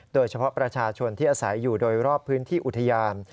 โดยเฉพาะประชาชนที่อาศัยอยู่โดยรอบพื้นที่อุทยาน